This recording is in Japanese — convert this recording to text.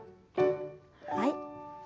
はい。